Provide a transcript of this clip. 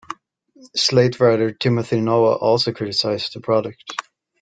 "Slate" writer Timothy Noah also criticized the product.